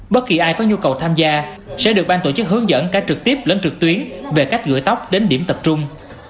bất kỳ ai có nhu cầu tham gia sẽ được ban tổ chức hướng dẫn cả trực tiếp lẫn trực tuyến về cách gửi tóc đến điểm tập trung